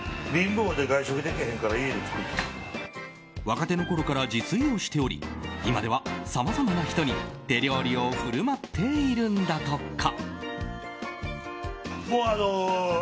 若手のころから自炊をしており今では、さまざまな人に手料理を振る舞っているんだとか。